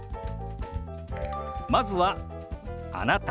まずは「あなた」。